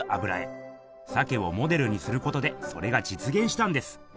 鮭をモデルにすることでそれがじつげんしたんです。